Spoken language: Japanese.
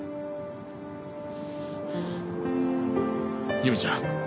由美ちゃん